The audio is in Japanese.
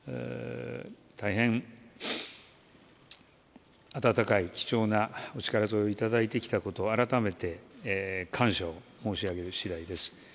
大変温かい貴重なお力添えをいただいてきたこと、改めて感謝を申し上げるしだいです。